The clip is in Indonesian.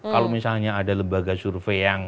kalau misalnya ada lembaga survei yang